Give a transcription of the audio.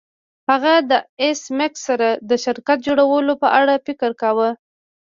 هغه د ایس میکس سره د شرکت جوړولو په اړه فکر کاوه